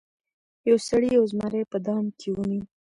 یو سړي یو زمری په دام کې ونیو.